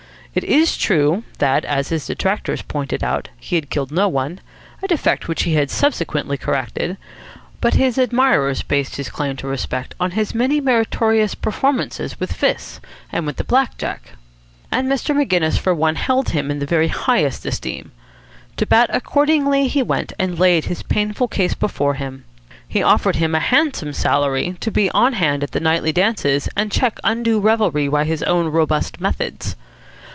It is true that, as his detractors pointed out, he had killed no one a defect which he had subsequently corrected; but his admirers based his claim to respect on his many meritorious performances with fists and with the black jack. And Mr. Maginnis for one held him in the very highest esteem. To Bat accordingly he went, and laid his painful case before him. He offered him a handsome salary to be on hand at the nightly dances and check undue revelry by his own robust methods.